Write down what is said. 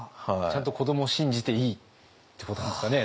ちゃんと子どもを信じていいってことなんですかね。